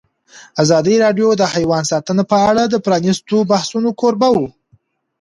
ازادي راډیو د حیوان ساتنه په اړه د پرانیستو بحثونو کوربه وه.